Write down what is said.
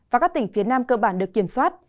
và các tỉnh phía nam cơ bản được kiểm soát